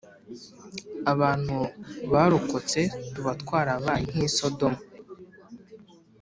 abantu barokotse, tuba twarabaye nk’i Sodomu